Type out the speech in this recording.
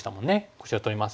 こちら取ります。